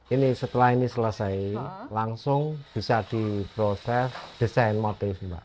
ini setelah ini selesai langsung bisa diproses desain motif mbak